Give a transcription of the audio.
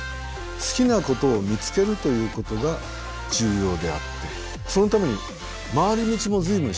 好きなことを見つけるということが重要であってそのために回り道も随分しました。